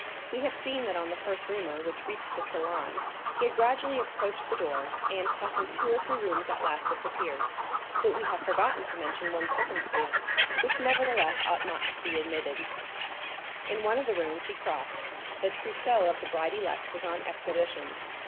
We have seen that on the first rumor which reached the salon he had gradually approached the door, and crossing two or three rooms at last disappeared. But we have forgotten to mention one circumstance, which nevertheless ought not to be omitted; in one of the rooms he crossed, the trousseau of the bride elect was on exhibition.